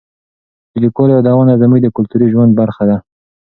د لیکوالو یادونه زموږ د کلتوري ژوند برخه ده.